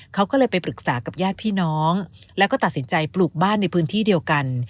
เขาก็เลยไปปรึกษากับญาติพี่น้องแล้วก็ตัดสินใจปลูกบ้านในพื้นที่เดียวกัน